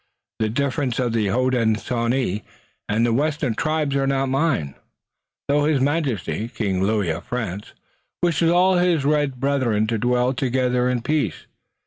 "The differences of the Hodenosaunee and the western tribes are not mine, though His Majesty, King Louis of France, wishes all his red brethren to dwell together in peace.